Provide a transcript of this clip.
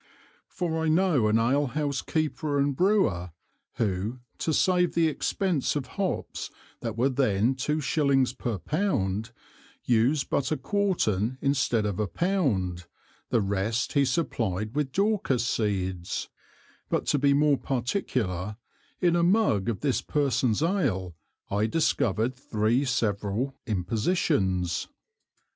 For I know an Alehouse keeper and Brewer, who, to save the expence of Hops that were then two Shillings per Pound, use but a quartern instead of a Pound, the rest he supplied with Daucus Seeds; but to be more particular, in a Mug of this Person's Ale I discovered three several Impositions.